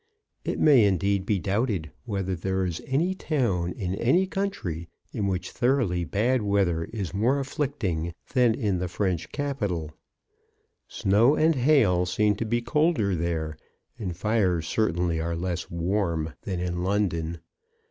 It may, indeed, be doubted whether there is any town in any country in which thor oughly bad weather is more afflicting than in the French capital. Snow and hail seem to be colder there, and fires certainly are less warm, than in London.